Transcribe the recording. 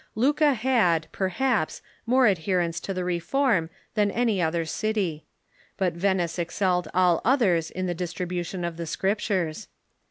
Lucca had, perhaps, more adherents to the Reform than anj^ other city. But Venice excelled all others in the distribution of the Scriptures.